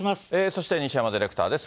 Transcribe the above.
そして西山ディレクターです。